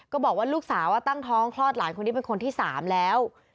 ก็บอกว่าลูกสาวตั้งท้องคลอดหลานคนนี้เป็นคนที่๓แล้ว